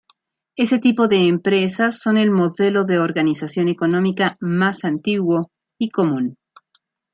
Este tipo de empresas son el modelo de organización económica más antiguo y común.